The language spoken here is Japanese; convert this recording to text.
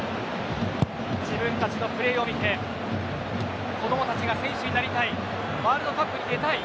自分たちのプレーを見て子どもたちが選手になりたいワールドカップに出たい。